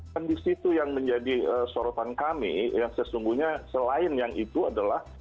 kondisi itu yang menjadi sorotan kami yang sesungguhnya selain yang itu adalah